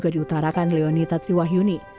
diutarkan leonita triwahyuni